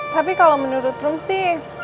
tapi kalo menurut rom sih